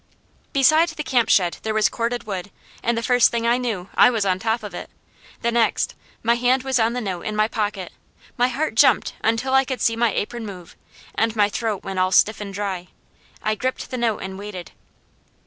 Beside the camp shed there was corded wood, and the first thing I knew, I was on top of it. The next, my hand was on the note in my pocket. My heart jumped until I could see my apron move, and my throat went all stiff and dry. I gripped the note and waited.